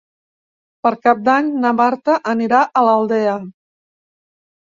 Per Cap d'Any na Marta anirà a l'Aldea.